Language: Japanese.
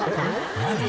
何？